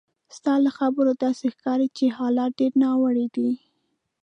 ستا له خبرو داسې ښکاري چې حالات ډېر ناوړه دي.